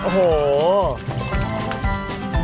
โอ้โห